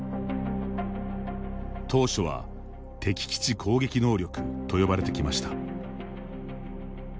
当初は敵基地攻撃能力と呼ばれてきました。